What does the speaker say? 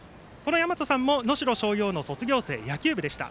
やまとさんも能代松陽の卒業生野球部でした。